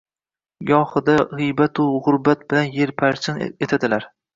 Gohida g‘iybatu-g‘urbat bilan yerparchin etadilar